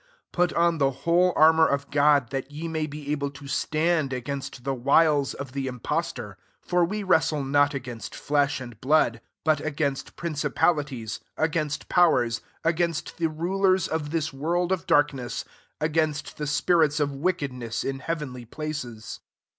11 Put on the whole aour of God, that ye may ^ able to stand against the ^s of the impostor : 12 for |e wrestle not against flesh fid blood,* but against princi Edities, against powers, against be rulers of this world of dark less, against the spirits of rickedness in heavenly places.